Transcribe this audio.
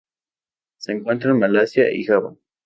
Se encuentra en Malasia y Java.